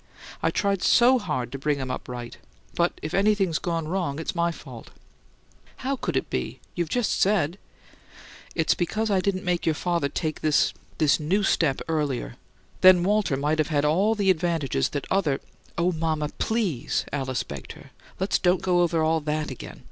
I tried so hard to bring him up right but if anything's gone wrong it's my fault." "How could it be? You've just said " "It's because I didn't make your father this this new step earlier. Then Walter might have had all the advantages that other " "Oh, mama, PLEASE!" Alice begged her. "Let's don't go over all that again.